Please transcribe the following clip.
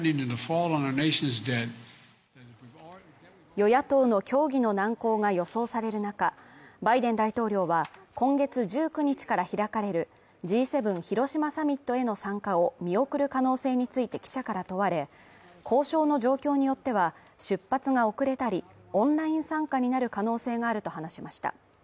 与野党の協議の難航が予想される中、バイデン大統領は今月１９日から開かれるＧ７広島サミットへの参加を見送る可能性について記者から問われ、交渉の状況によっては出発が遅れたり、オンライン参加になる可能性があると話しました。